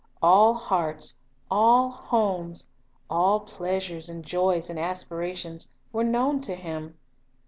All hearts, all homes, all pleasures and joys and aspirations, were known to Him.